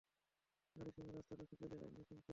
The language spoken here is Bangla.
আরিশেমের রাস্তাটা সেকেলে আর নৃশংস।